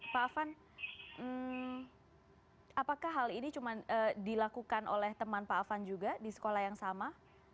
pak afan apakah hal ini cuma dilakukan oleh teman pak afan juga di sekolah yang sama